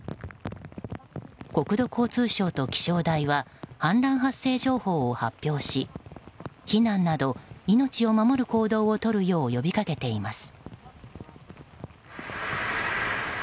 国土交通省と気象台は氾濫発生情報を発表し避難など、命を守る行動をとるよう呼びかけています。